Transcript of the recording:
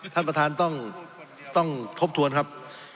ท่านประธานต้องทบทวนครับ